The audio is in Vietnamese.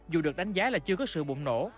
dù được đánh giá là chưa có sự bụng nổ